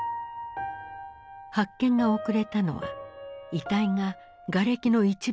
発見が遅れたのは遺体ががれきの一番下にあったからだ。